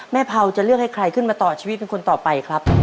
เผาจะเลือกให้ใครขึ้นมาต่อชีวิตเป็นคนต่อไปครับ